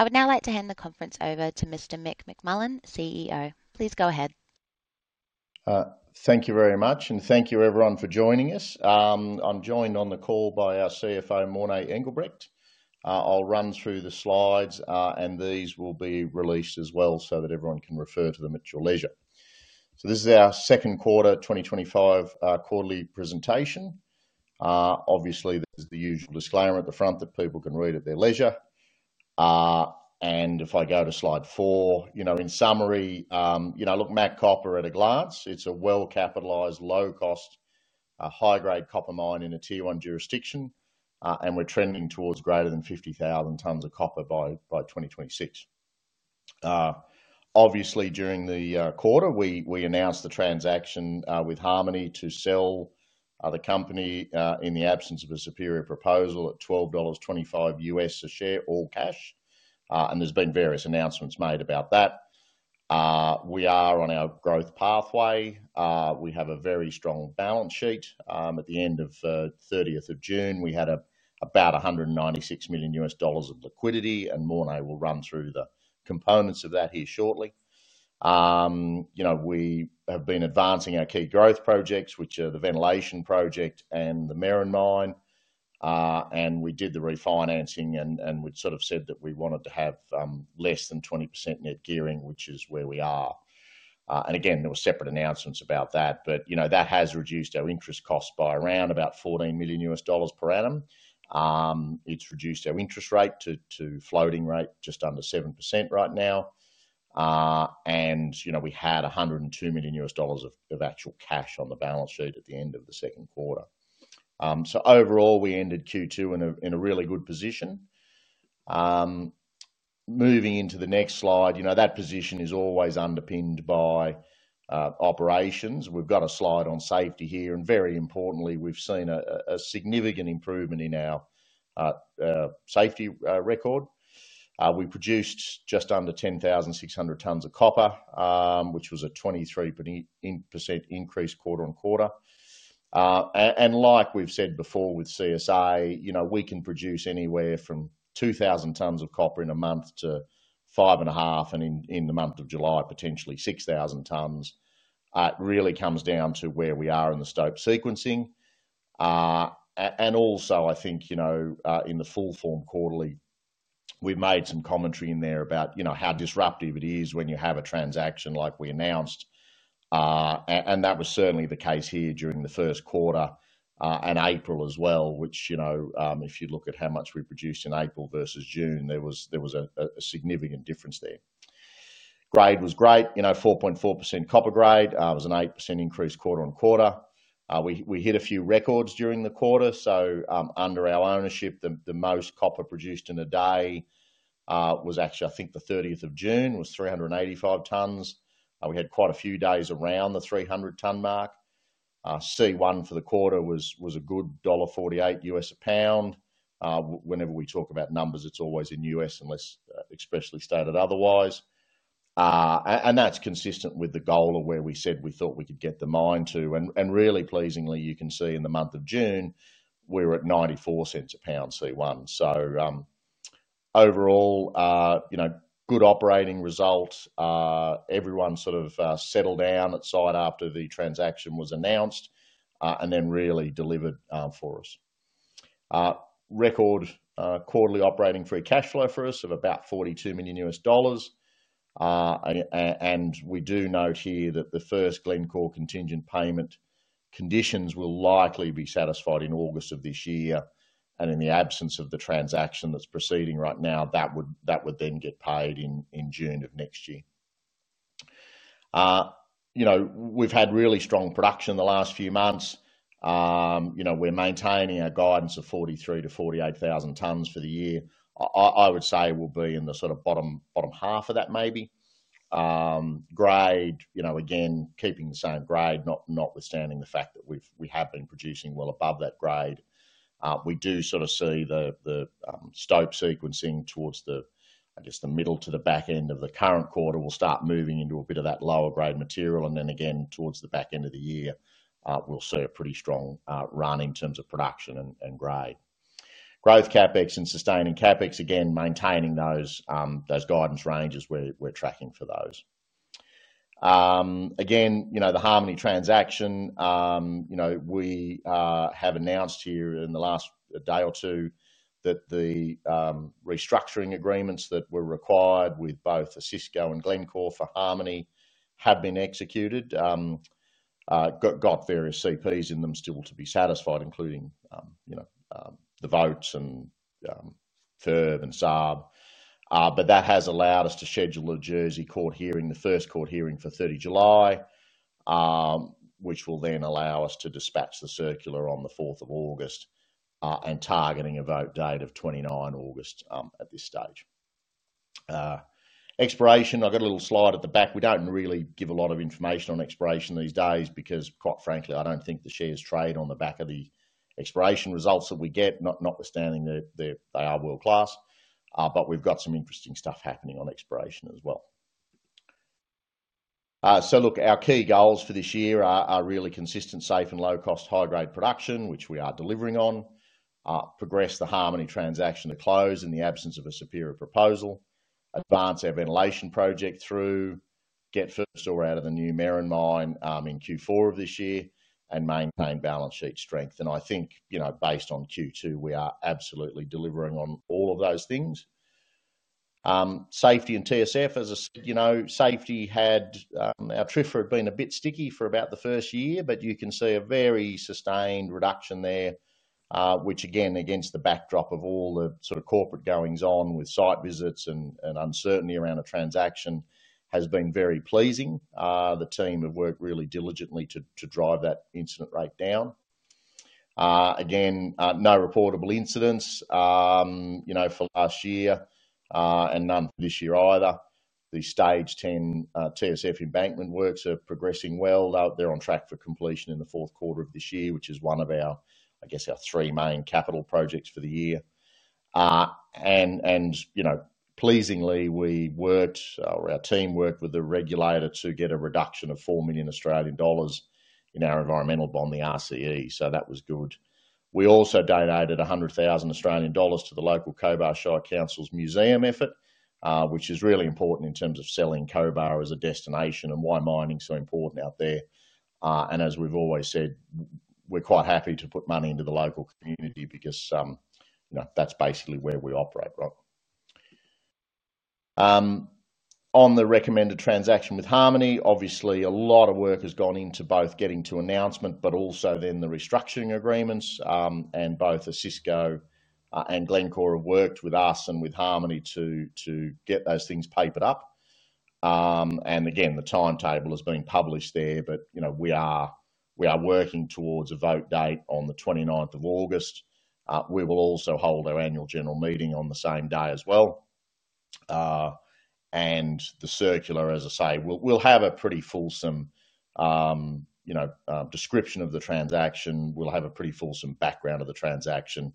I would now like to hand the conference over to Mr. Mick McMullen, CEO. Please go ahead. Thank you very much, and thank you, everyone, for joining us. I'm joined on the call by our CFO, Morné Engelbrecht. I'll run through the slides, and these will be released as well so that everyone can refer to them at your leisure. This is our second quarter 2025 quarterly presentation. Obviously, there's the usual disclaimer at the front that people can read at their leisure. If I go to slide four, in summary, look, MAC Copper at a glance, it's a well-capitalized, low-cost, high-grade copper mine in a Tier 1 jurisdiction, and we're trending towards greater than 50,000 tons of copper by 2026. During the quarter, we announced the transaction with Harmony to sell the company in the absence of a superior proposal at $12.25 a share, all cash. There's been various announcements made about that. We are on our growth pathway. We have a very strong balance sheet. At the end of the 30th of June, we had about $196 million of liquidity, and Morné will run through the components of that here shortly. We have been advancing our key growth projects, which are the Ventilation Project and the Merrin Mine. We did the refinancing, and we sort of said that we wanted to have less than 20% Net Gearing, which is where we are. There were separate announcements about that, but that has reduced our interest costs by around about $14 million per annum. It's reduced our interest rate to floating rate just under 7% right now. We had $102 million of actual cash on the balance sheet at the end of the second quarter. Overall, we ended Q2 in a really good position. Moving into the next slide, that position is always underpinned by operations. We've got a slide on safety here, and very importantly, we've seen a significant improvement in our safety record. We produced just under 10,600 tons of copper, which was a 23% increase quarter-on-quarter. Like we've said before with CSA, we can produce anywhere from 2,000 tons of copper in a month to five and a half, and in the month of July, potentially 6,000 tons. It really comes down to where we are in the stope sequencing. Also, I think in the full-form quarterly, we've made some commentary in there about how disruptive it is when you have a transaction like we announced. That was certainly the case here during the first quarter and April as well, which, if you look at how much we produced in April versus June, there was a significant difference there. Grade was great, 4.4% copper grade. It was an 8% increase quarter-on-quarter. We hit a few records during the quarter. Under our ownership, the most copper produced in a day was actually, I think, the 30th of June, 385 tons. We had quite a few days around the 300-ton mark. C1 for the quarter was a good $1.48 a pound. Whenever we talk about numbers, it's always in U.S. unless especially stated otherwise. That's consistent with the goal of where we said we thought we could get the mine to. Really pleasingly, you can see in the month of June, we're at $0.94 a pound C1. Overall, good operating result. Everyone sort of settled down at site after the transaction was announced and then really delivered for us. Record quarterly operating free cash flow for us of about $42 million. We do note here that the first Glencore contingent payment conditions will likely be satisfied in August of this year. In the absence of the transaction that's proceeding right now, that would then get paid in June of next year. We've had really strong production the last few months. We're maintaining our guidance of 43,000 to 48,000 tons for the year. I would say we'll be in the sort of bottom half of that maybe. Grade, again, keeping the same grade, notwithstanding the fact that we have been producing well above that grade. We do sort of see the stope sequencing towards the, I guess, the middle to the back end of the current quarter. We'll start moving into a bit of that lower grade material. Again, towards the back end of the year, we'll see a pretty strong run in terms of production and grade. Growth CapEx and sustaining CapEx, again, maintaining those guidance ranges, we're tracking for those. The Harmony transaction, we have announced here in the last day or two that the restructuring agreements that were required with both Cisco and Glencore for Harmony have been executed. Got various CPs in them still to be satisfied, including the votes and FIRB and SARB. That has allowed us to schedule a Jersey court hearing, the first court hearing for 30 July, which will then allow us to dispatch the circular on 4th of August and target a vote date of 29 August at this stage. Exploration, I've got a little slide at the back. We don't really give a lot of information on exploration these days because, quite frankly, I don't think the shares trade on the back of the exploration results that we get, notwithstanding that they are world-class. We've got some interesting stuff happening on exploration as well. Our key goals for this year are really consistent, safe, and low-cost high-grade production, which we are delivering on. Progress the Harmony transaction to close in the absence of a superior proposal. Advance our Ventilation Project through, get first ore out of the new Merrin Mine in Q4 of this year, and maintain balance sheet strength. I think, you know, based on Q2, we are absolutely delivering on all of those things. Safety and TSF, as you know, safety had, our TRIFR had been a bit sticky for about the first year, but you can see a very sustained reduction there, which again, against the backdrop of all the sort of corporate goings-on with site visits and uncertainty around a transaction, has been very pleasing. The team have worked really diligently to drive that incident rate down. No reportable incidents, you know, for last year and none for this year either. The Stage 10 TSF embankment works are progressing well. They're on track for completion in the fourth quarter of this year, which is one of our, I guess, our three main capital projects for the year. Pleasingly, we worked, or our team worked with the regulator to get a reduction of 4 million Australian dollars in our environmental bond, the RCE. That was good. We also donated 100,000 Australian dollars to the local Cobar Shire Council's museum effort, which is really important in terms of selling Cobar as a destination and why mining is so important out there. As we've always said, we're quite happy to put money into the local community because, you know, that's basically where we operate, right? On the recommended transaction with Harmony, obviously, a lot of work has gone into both getting to announcement, but also then the restructuring agreements. Both Cisco and Glencore have worked with us and with Harmony to get those things papered up. The timetable is being published there, but we are working towards a vote date on the 29th of August. We will also hold our annual general meeting on the same day as well. The circular, as I say, will have a pretty fulsome description of the transaction. We'll have a pretty fulsome background of the transaction.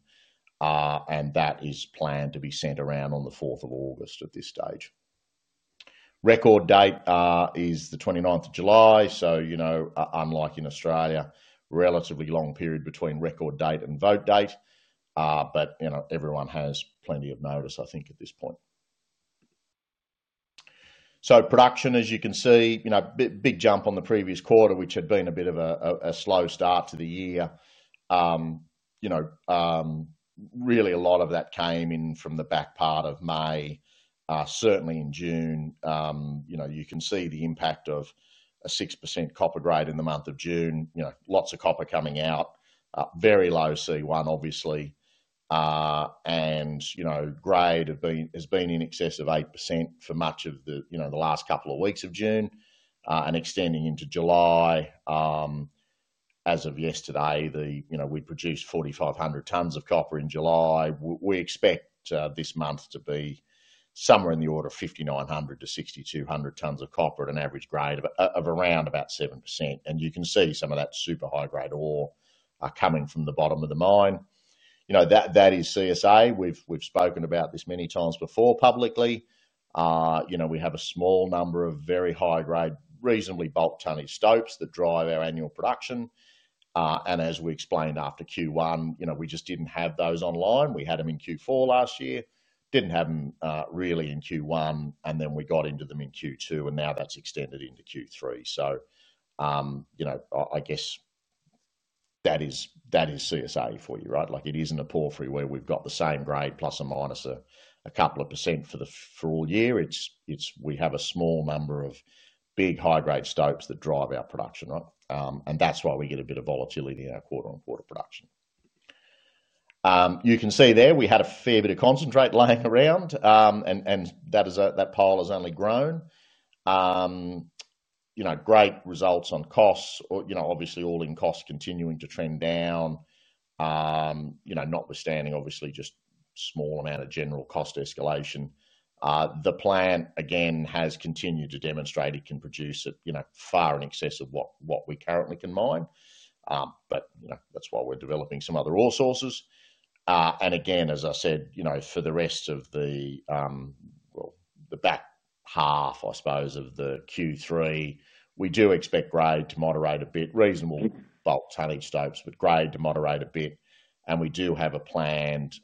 That is planned to be sent around on the 4th of August at this stage. Record date is the 29th of July. Unlike in Australia, a relatively long period between record date and vote date, but everyone has plenty of notice, I think, at this point. Production, as you can see, a big jump on the previous quarter, which had been a bit of a slow start to the year. Really, a lot of that came in from the back part of May. Certainly in June, you can see the impact of a 6% copper grade in the month of June. Lots of copper coming out. Very low C1, obviously. Grade has been in excess of 8% for much of the last couple of weeks of June. Extending into July, as of yesterday, we produced 4,500 tons of copper in July. We expect this month to be somewhere in the order of 5,900 to 6,200 tons of copper at an average grade of around 7%. You can see some of that super high-grade ore coming from the bottom of the mine. That is CSA. We've spoken about this many times before publicly. We have a small number of very high-grade, reasonably bulk tonnage stopes that drive our annual production. As we explained after Q1, we just didn't have those online. We had them in Q4 last year, didn't have them really in Q1, and then we got into them in Q2, and now that's extended into Q3. I guess that is CSA for you, right? It isn't a porphyry where we've got the same grade plus or minus a couple of percent for all year. We have a small number of big high-grade stopes that drive our production. That's why we get a bit of volatility in our quarter-on-quarter production. You can see there we had a fair bit of concentrate laying around, and that pile has only grown. Great results on costs, obviously all-in costs continuing to trend down, notwithstanding just a small amount of general cost escalation. The plant, again, has continued to demonstrate it can produce it far in excess of what we currently can mine. That's why we're developing some other ore sources. As I said, for the rest of the back half, I suppose, of Q3, we do expect grade to moderate a bit, reasonable bulk tonnage stopes, but grade to moderate a bit. We do have a planned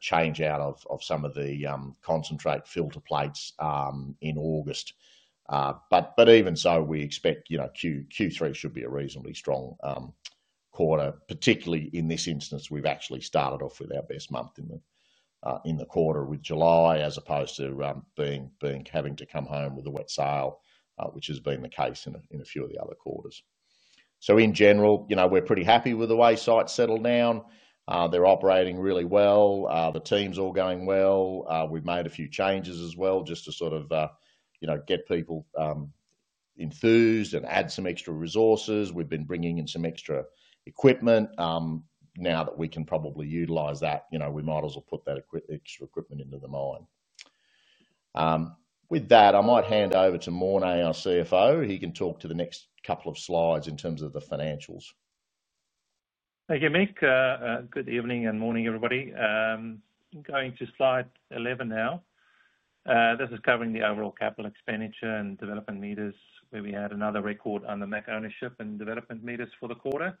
change out of some of the concentrate filter plates in August. Even so, we expect Q3 should be a reasonably strong quarter, particularly in this instance. We've actually started off with our best month in the quarter with July, as opposed to having to come home with a wet sail, which has been the case in a few of the other quarters. In general, we're pretty happy with the way site’s settled down. They're operating really well. The team's all going well. We've made a few changes as well just to sort of get people enthused and add some extra resources. We've been bringing in some extra equipment. Now that we can probably utilize that, we might as well put that extra equipment into the mine. With that, I might hand over to Morné, our CFO. He can talk to the next couple of slides in terms of the financials. Thank you, Mick. Good evening and morning, everybody. I'm going to slide 11 now. This is covering the overall capital expenditure and development meters, where we had another record under MAC ownership and development meters for the quarter.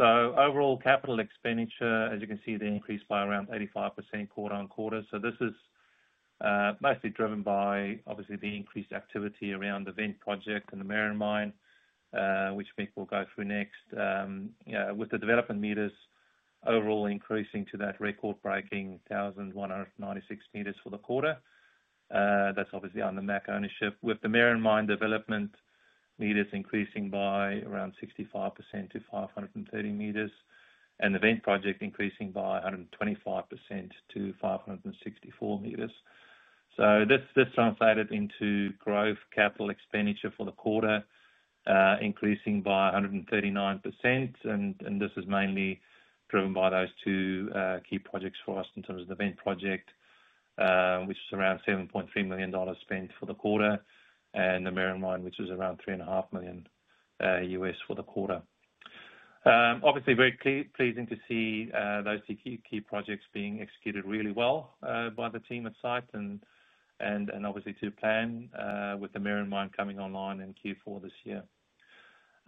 Overall capital expenditure, as you can see, increased by around 85% quarter-on-quarter. This is mostly driven by, obviously, the increased activity around the vent project and the Merrin Mine, which Mick will go through next. The development meters overall increased to that record-breaking 1,196 meters for the quarter, that's obviously under MAC ownership. The Merrin Mine development meters increased by around 65% to 530 meters, and the vent project increased by 125% to 564 meters. This translated into growth capital expenditure for the quarter, increasing by 139%. This is mainly driven by those two key projects for us in terms of the vent project, which was around $7.3 million spent for the quarter, and the Merrin Mine, which was around $3.5 million for the quarter. Obviously, very pleasing to see those key projects being executed really well by the team at site and obviously to plan with the Merrin Mine coming online in Q4 this year.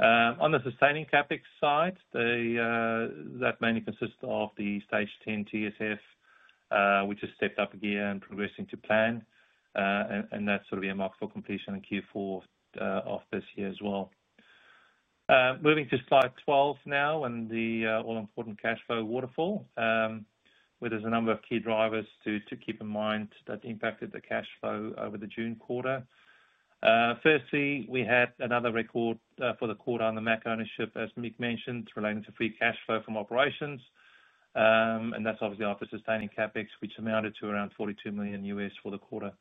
On the sustaining CapEx side, that mainly consists of the Stage 10 TSF, which has stepped up again and is progressing to plan. That is earmarked for completion in Q4 of this year as well. Moving to slide 12 now and the all-important cash flow waterfall, there are a number of key drivers to keep in mind that impacted the cash flow over the June quarter. Firstly, we had another record for the quarter under MAC ownership, as Mick mentioned, relating to free cash flow from operations. That's obviously after sustaining CapEx, which amounted to around $42 million for the quarter.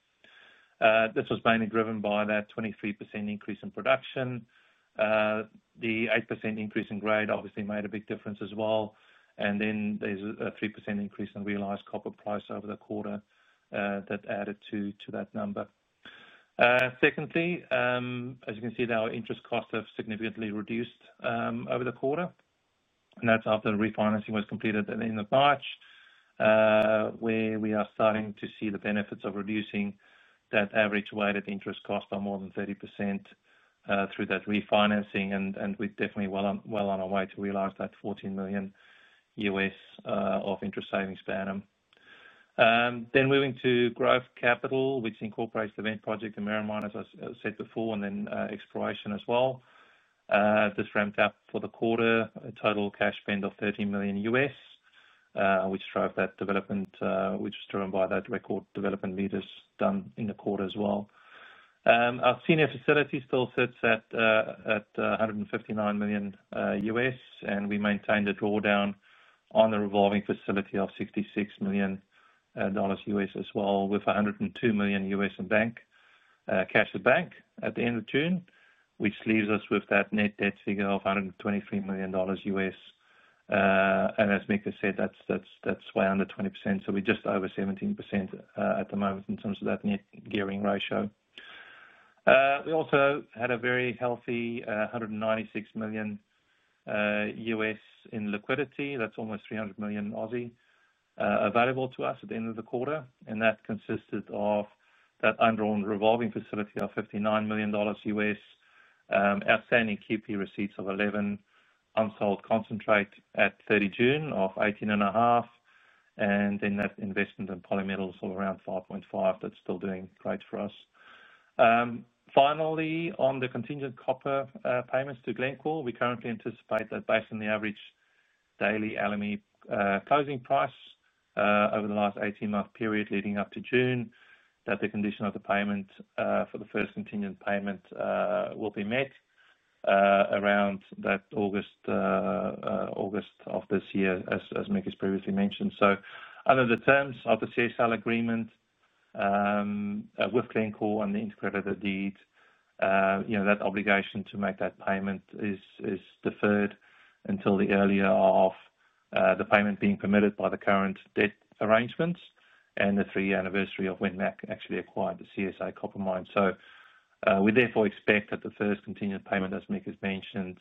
This was mainly driven by that 23% increase in production. The 8% increase in grade obviously made a big difference as well. There is a 3% increase in realized copper price over the quarter that added to that number. Secondly, as you can see, our interest costs have significantly reduced over the quarter. That's after the refinancing was completed at the end of March, where we are starting to see the benefits of reducing that average weighted interest cost by more than 30% through that refinancing. We are definitely well on our way to realize that $14 million of interest savings per annum. Moving to growth capital, which incorporates the vent project, the Merrin Mine, as I said before, and then exploration as well. This ramped up for the quarter, a total cash spend of $13 million, which drove that development, which was driven by that record development meters done in the quarter as well. Our senior facility still sits at $159 million, and we maintained a drawdown on the revolving facility of $66 million as well, with $102 million in cash at bank at the end of June, which leaves us with that net debt figure of $123 million. As Mick has said, that's way under 20%. We're just over 17% at the moment in terms of that Net Gearing ratio. We also had a very healthy $196 million in liquidity. That's almost 300 million available to us at the end of the quarter. That consisted of that undrawn revolving facility of $59 million, outstanding QP Receipts of 11 unsold concentrate at 30 June of $18.5 million, and then that investment in Polymetals of around $5.5 million that's still doing great for us. Finally, on the contingent copper payments to Glencore, we currently anticipate that based on the average daily LME closing price over the last 18-month period leading up to June, the condition of the payment for the first contingent payment will be met around August of this year, as Mick has previously mentioned. Under the terms of the CSA agreement with Glencore and the integrated deed, that obligation to make that payment is deferred until the earlier of the payment being permitted by the current debt arrangements and the three-year anniversary of when MAC actually acquired the CSA Copper Mine. We therefore expect that the first contingent payment, as Mick has mentioned,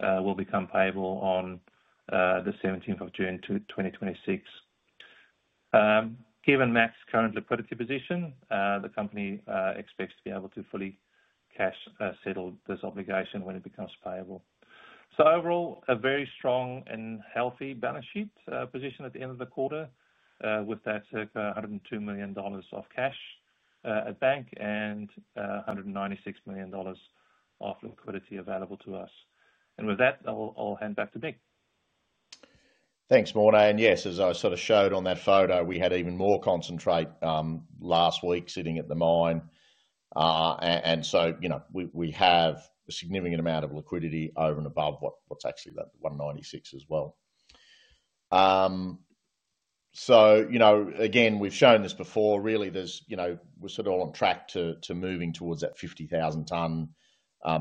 will become payable on 17th of June 2026. Given MAC's current liquidity position, the company expects to be able to fully cash settle this obligation when it becomes payable. Overall, a very strong and healthy balance sheet position at the end of the quarter with that circa $102 million of cash at bank and $196 million of liquidity available to us. With that, I'll hand back to Mick. Thanks, Morné. As I sort of showed on that photo, we had even more concentrate last week sitting at the mine. We have a significant amount of liquidity over and above what's actually that $196 million as well. We've shown this before. Really, we're sort of on track to moving towards that 50,000-ton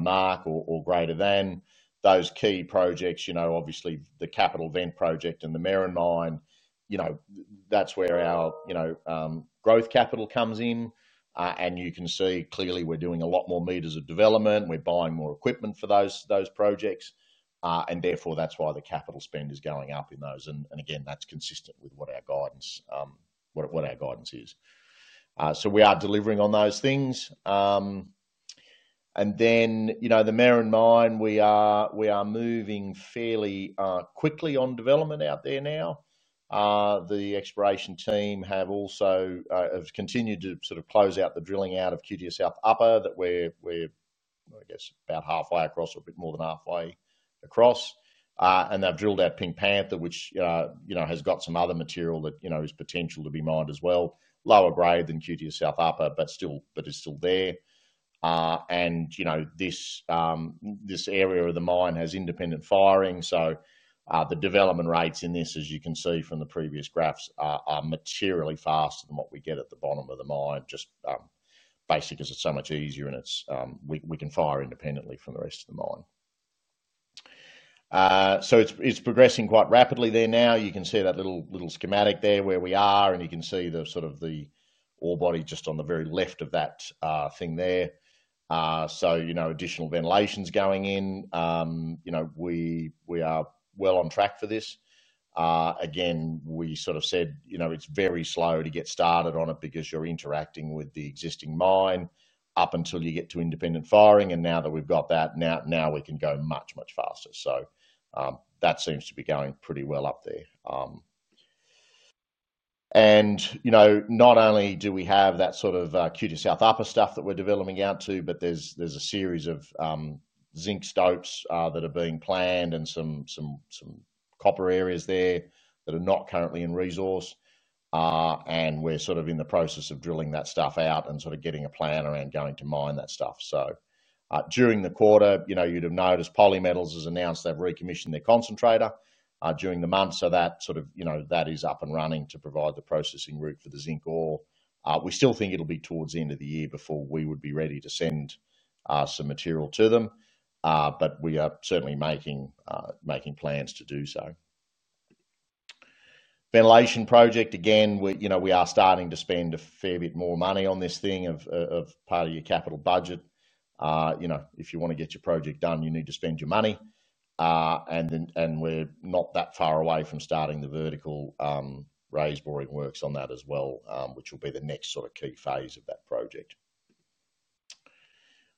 mark or greater than. Those key projects, obviously the capital vent project and the Merrin Mine, that's where our growth capital comes in. You can see clearly we're doing a lot more meters of development. We're buying more equipment for those projects, and that's why the capital spend is going up in those. That's consistent with what our guidance is. We are delivering on those things. The Merrin Mine, we are moving fairly quickly on development out there now. The exploration team have also continued to sort of close out the drilling out of Cutia South Upper that we're, I guess, about halfway across or a bit more than halfway across. They've drilled out Pink Panther, which has got some other material that is potential to be mined as well, lower grade than Cutia South Upper, but is still there. This area of the mine has independent firing. The development rates in this, as you can see from the previous graphs, are materially faster than what we get at the bottom of the mine, just basically because it's so much easier and we can fire independently from the rest of the mine. It's progressing quite rapidly there now. You can see that little schematic there where we are, and you can see the sort of the ore body just on the very left of that thing there. Additional ventilation is going in. We are well on track for this. We sort of said it's very slow to get started on it because you're interacting with the existing mine up until you get to independent firing. Now that we've got that, now we can go much, much faster. That seems to be going pretty well up there. Not only do we have that sort of Cutia South Upper stuff that we're developing out to, but there's a series of zinc stopes that are being planned and some copper areas there that are not currently in resource. We're sort of in the process of drilling that stuff out and getting a plan around going to mine that stuff. During the quarter, you'd have noticed Polymetals has announced they've recommissioned their concentrator during the month. That is up and running to provide the processing route for the zinc ore. We still think it'll be towards the end of the year before we would be ready to send some material to them. We are certainly making plans to do so. Ventilation Project, again, we are starting to spend a fair bit more money on this thing as part of your capital budget. If you want to get your project done, you need to spend your money. We're not that far away from starting the vertical raised boring works on that as well, which will be the next key phase of that project.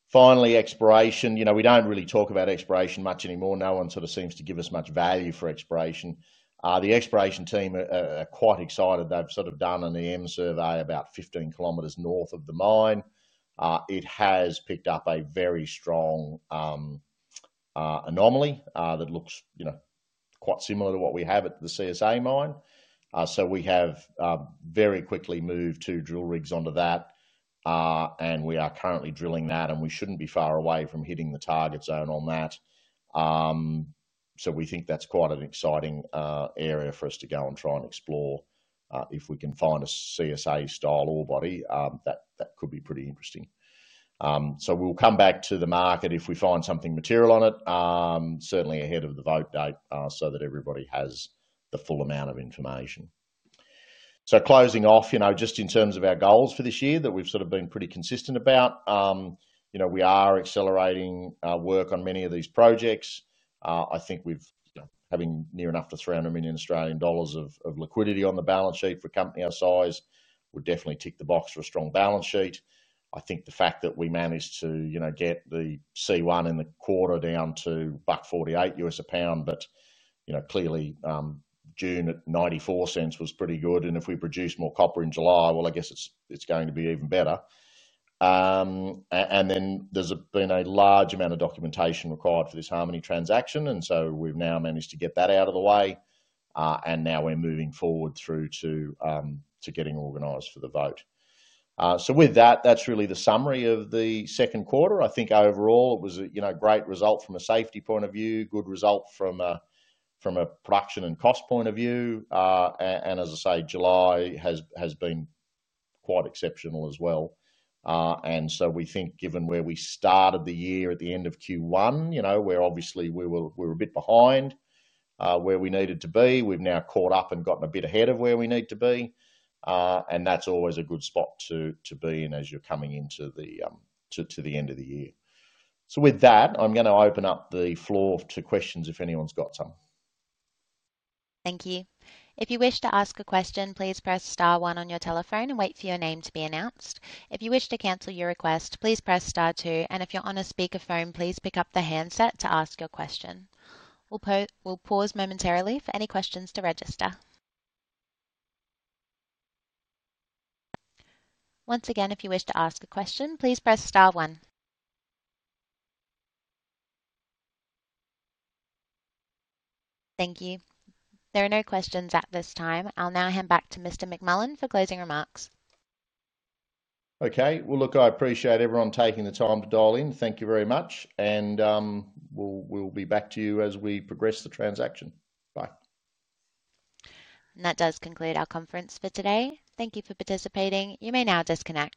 Finally, exploration, we don't really talk about exploration much anymore. No one seems to give us much value for exploration. The exploration team are quite excited. They've done an EM survey about 15 kilometers north of the mine. It has picked up a very strong anomaly that looks quite similar to what we have at the CSA Copper Mine. We have very quickly moved two drill rigs onto that, and we are currently drilling that, and we shouldn't be far away from hitting the target zone on that. We think that's quite an exciting area for us to go and try and explore. If we can find a CSA-style ore body, that could be pretty interesting. We'll come back to the market if we find something material on it, certainly ahead of the vote date so that everybody has the full amount of information. Closing off, just in terms of our goals for this year that we've been pretty consistent about, we are accelerating work on many of these projects. I think we've, having near enough to 300 million Australian dollars of liquidity on the balance sheet for a company our size, we'll definitely tick the box for a strong balance sheet. I think the fact that we managed to get the C1 in the quarter down to $1.48 a pound, but clearly, June at $0.94 was pretty good. If we produce more copper in July, I guess it's going to be even better. There has been a large amount of documentation required for this Harmony transaction. We've now managed to get that out of the way, and now we're moving forward to getting organized for the vote. With that, that's really the summary of the second quarter. I think overall it was a great result from a safety point of view, good result from a production and cost point of view. As I say, July has been quite exceptional as well. We think given where we started the year at the end of Q1, where obviously we were a bit behind where we needed to be, we've now caught up and gotten a bit ahead of where we need to be. That's always a good spot to be in as you're coming into the end of the year. With that, I'm going to open up the floor to questions if anyone's got some. Thank you. If you wish to ask a question, please press star one on your telephone and wait for your name to be announced. If you wish to cancel your request, please press star two. If you're on a speaker phone, please pick up the handset to ask your question. We'll pause momentarily for any questions to register. Once again, if you wish to ask a question, please press star one. Thank you. There are no questions at this time. I'll now hand back to Mr. McMullen for closing remarks. I appreciate everyone taking the time to dial in. Thank you very much. We'll be back to you as we progress the transaction. Bye. That does conclude our conference for today. Thank you for participating. You may now disconnect.